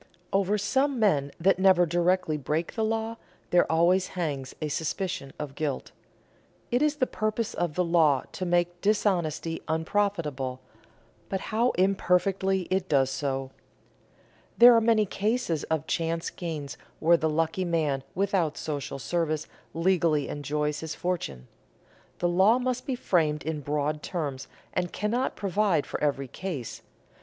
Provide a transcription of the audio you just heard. Over some men that never directly break the law there always hangs a suspicion of guilt. It is the purpose of the law to make dishonesty unprofitable, but how imperfectly it does so! There are many cases of chance gains where the lucky man without social service legally enjoys his fortune. The law must be framed in broad terms, and cannot provide for every case.